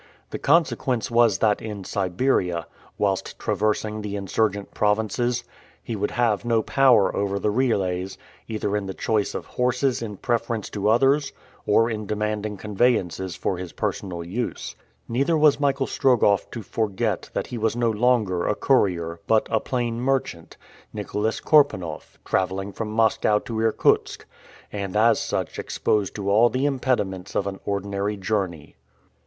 The consequence was that in Siberia, whilst traversing the insurgent provinces, he would have no power over the relays, either in the choice of horses in preference to others, or in demanding conveyances for his personal use; neither was Michael Strogoff to forget that he was no longer a courier, but a plain merchant, Nicholas Korpanoff, traveling from Moscow to Irkutsk, and, as such exposed to all the impediments of an ordinary journey.